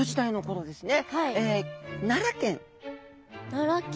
奈良県。